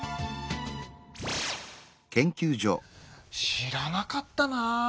知らなかったな。